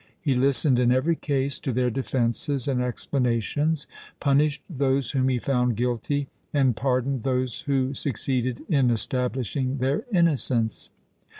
He listened in every case to their defences and explanations, punished those whom he found guilty, and pardoned those who succeeded in establishing their innocence.